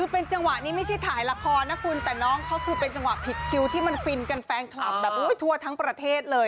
เป็นจังหวะที่ไม่ใช่ถ่ายละครแต่เป็นจังหวะฟิกคิวที่มันฟินกันแฟนคลับทั่วทั้งประเทศเลย